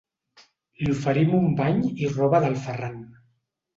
Li oferim un bany i roba del Ferran.